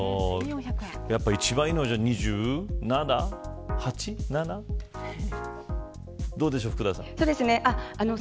一番いいのは、２７、２８どうでしょう、福田さん。